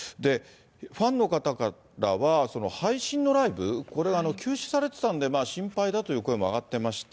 ファンの方からは配信のライブ、これ、休止されてたんで、心配だという声も上がってました。